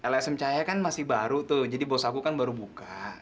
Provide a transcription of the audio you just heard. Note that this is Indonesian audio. lsm cahaya kan masih baru tuh jadi bos aku kan baru buka